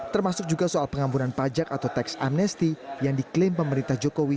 termasuk juga soal pengampunan pajak atau tax amnesty yang diklaim pemerintah jokowi